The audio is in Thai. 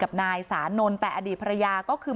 กับนายสานนท์แต่อดีตภรรยาก็คือ